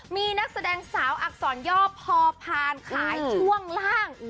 มีนักแสดงสาวอักษรย่อพอผ่านขายช่วงล่าง